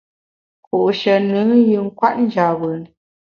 Ku’she nùn yin kwet njap bùn.